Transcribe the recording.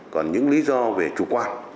còn những lý do về chủ quan